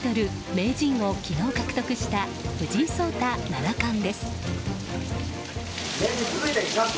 名人を昨日獲得した藤井聡太七冠です。